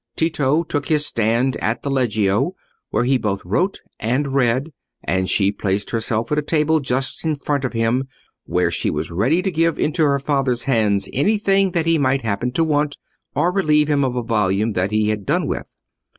Tito took his stand at the leggio, where he both wrote and read, and she placed herself at a table just in front of him, where she was ready to give into her father's hands anything that he might happen to want, or relieve him of a volume that he had done with.